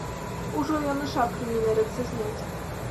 Ужо ён і шапкі не мерыцца зняць!